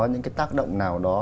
những cái tác động nào đó